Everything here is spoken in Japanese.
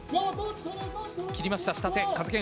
切りました、下手。。